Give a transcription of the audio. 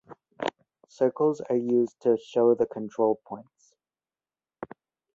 Circles are used to show the control points.